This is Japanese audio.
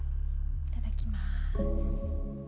いただきます。